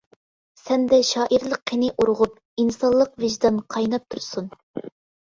سەندە شائىرلىق قېنى ئۇرغۇپ، ئىنسانلىق ۋىجدان قايناپ تۇرسۇن.